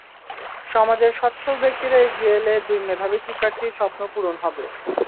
সমাজের সচ্ছল ব্যক্তিরা এগিয়ে এলে দুই মেধাবী শিক্ষার্থীর স্বপ্ন পূরণ হবে।